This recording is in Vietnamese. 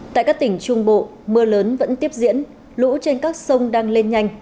tại các tỉnh trung bộ mưa lớn vẫn tiếp diễn lũ trên các sông đang lên nhanh